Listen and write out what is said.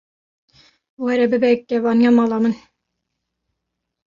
Were bibe kevaniya mala min.